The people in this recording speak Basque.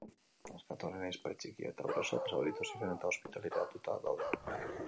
Neskatoaren ahizpa txikia eta gurasoak zauritu ziren eta ospitaleratuta daude.